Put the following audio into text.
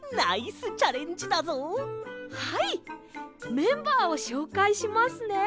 メンバーをしょうかいしますね。